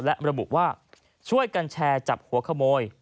และระบุว่าช่วยกันแชร์จับหัวขโมย